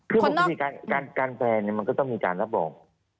คือบางประวัติการแปรมันก็ต้องมีการรับรอง